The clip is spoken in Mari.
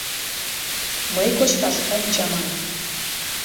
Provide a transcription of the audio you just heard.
Мый кочкаш ом чамане.